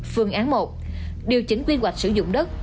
phương án một điều chỉnh quy hoạch sử dụng đất